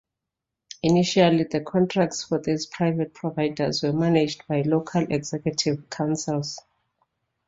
Initially the contracts for these private providers were managed by local Executive Councils.